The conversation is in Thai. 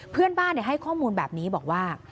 เพื่อนบ้านให้ข้อมูลแบบนี้บอกว่า